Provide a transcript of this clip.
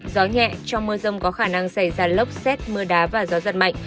gió nhẹ trong mưa rông có khả năng xảy ra lốc xét mưa đá và gió giật mạnh